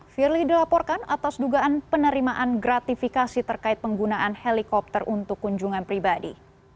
firly dilaporkan atas dugaan penerimaan gratifikasi terkait penggunaan helikopter untuk kunjungan pribadi